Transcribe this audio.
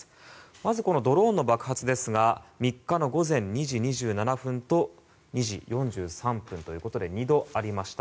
まずはドローンの爆発ですが３日の午前２時２７分と２時４３分ということで２度ありました。